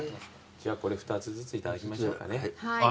じゃあこれ２つずついただきましょうかね。